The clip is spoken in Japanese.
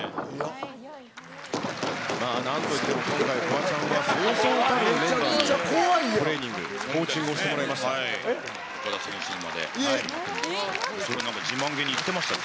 まあ、なんといっても今回、フワちゃんはそうそうたるメンバーにトレーニング、コーチングをそれ、なんか自慢げに言ってましたよ。